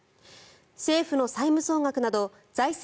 政府の債務総額など財政